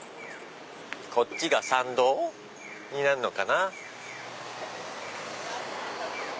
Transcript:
こっちが参道になるのかな。